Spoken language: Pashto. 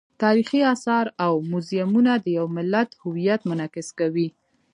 تاریخي آثار او موزیمونه د یو ملت هویت منعکس کوي.